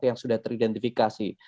yang sudah teridentifikasi